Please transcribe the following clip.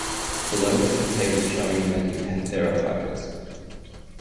Below are some tables showing the many "Panthera" hybrids.